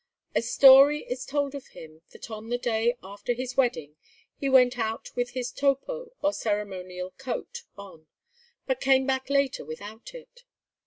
A story is told of him that on the day after his wedding he went out with his topo or ceremonial coat on, but came back later without it.